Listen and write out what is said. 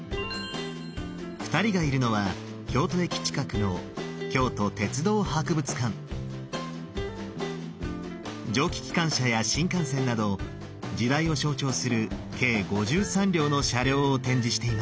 ２人がいるのは京都駅近くの蒸気機関車や新幹線など時代を象徴する計５３両の車両を展示しています。